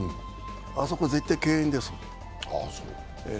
あそこ絶対敬遠です。